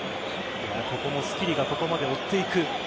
ここもスキリがここまで追っていく。